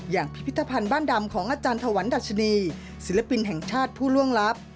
พิพิธภัณฑ์บ้านดำของอาจารย์ถวันดัชนีศิลปินแห่งชาติผู้ล่วงลับ